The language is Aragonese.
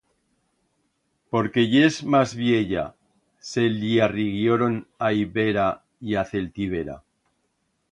Porque yes mas viella, se li arriguioron a ibera y a celtibera.